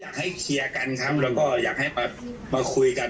ให้เคลียร์กันครับแล้วก็อยากให้มาคุยกัน